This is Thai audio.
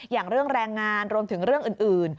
อย่างเรื่องแรงงานรวมถึงเรื่องอื่น